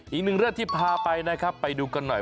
อีกหนึ่งเรื่องที่พาไปนะครับไปดูกันหน่อย